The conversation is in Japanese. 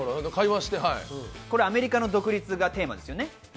アメリカの独立がテーマです